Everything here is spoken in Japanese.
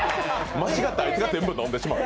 間違ってあいつが全部飲んでもうて。